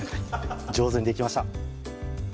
上手にできました！